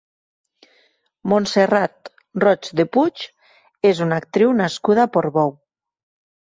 Montserrat Roig de Puig és una actriu nascuda a Portbou.